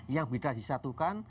yang bisa disatukan